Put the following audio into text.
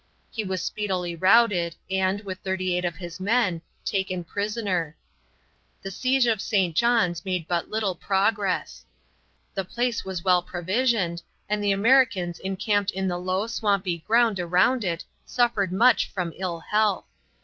He was speedily routed and, with 38 of his men, taken prisoner. The siege of St. John's made but little progress. The place was well provisioned, and the Americans encamped in the low, swampy ground around it suffered much from ill health.